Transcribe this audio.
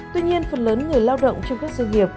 tuy nhiên phần lớn người lao động trong các doanh nghiệp